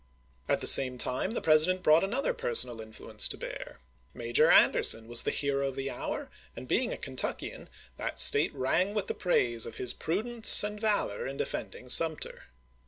At the same time the President brought another personal influence to bear. Major Anderson was the hero of the hour, and being a Kentuckian, that State rang with the praise of his prudence and valor in defending Sumter.